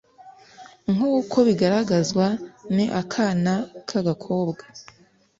nk uko bigaragazwa n akana k agakobwa